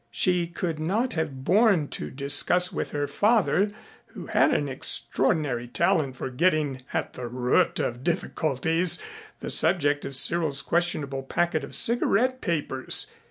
She could not have borne to discuss with her father, who had an extraordinary talent for getting at the root of difficulties, the subject of Cyril's questionable packet of cigarette papers.